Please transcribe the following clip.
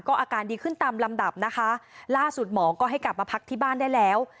อาการดีขึ้นตามลำดับนะคะล่าสุดหมอก็ให้กลับมาพักที่บ้านได้แล้ว